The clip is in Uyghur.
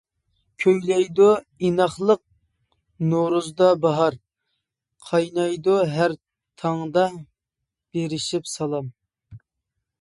كۈيلەيدۇ ئىناقلىق نورۇزدا باھار، قاينايدۇ ھەر تاڭدا بېرىشىپ سالام.